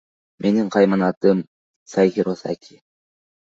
Менин каймана атым Сайхиросаки.